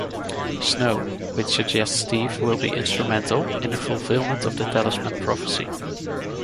Snow, which suggests Steve will be instrumental in the fulfilment of the Talisman Prophecy.